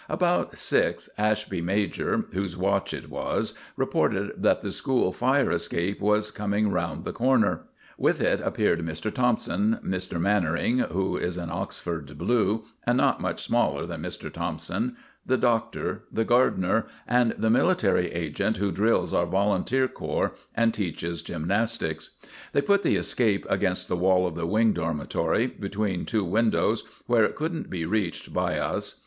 About six Ashby major, whose watch it was, reported that the school fire escape was coming round the corner. With it appeared Mr. Thompson, Mr. Mannering, who is an Oxford "Blue" and not much smaller than Mr. Thompson, the Doctor, the gardener, and the military agent who drills our volunteer corps and teaches gymnastics. They put the escape against the wall of the Wing Dormitory, between two windows, where it couldn't be reached by us.